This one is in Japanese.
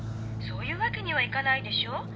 そういうわけにはいかないでしょ。